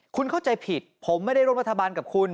คุณเข้าใจผิดผมไม่ได้ร่วมรัฐบาลกับคุณ